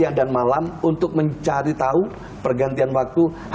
konon legenda seperti itu